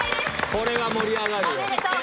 これは盛り上がるよ。